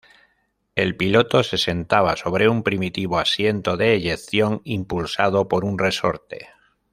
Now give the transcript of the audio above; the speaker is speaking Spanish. El piloto se sentaba sobre un primitivo asiento de eyección impulsado por un resorte.